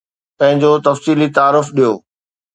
پنهنجو تفصيلي تعارف ڏيو.